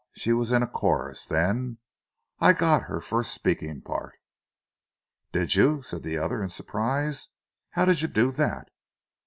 She was in a chorus, then. I got her first speaking part." "Did you?" said the other, in surprise. "How did you do that?"